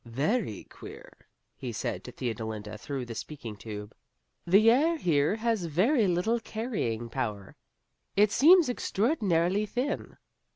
"Very queer," he said to Theodolinda through the speaking tube, "the air here has very little carrying power. It seems extraordinarily thin.